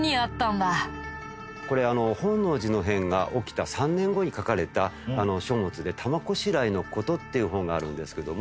これ本能寺の変が起きた３年後に書かれた書物で『たまこしらへ之事』っていう本があるんですけども。